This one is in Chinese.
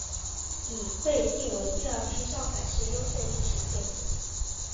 已被定为第二批上海市优秀历史建筑。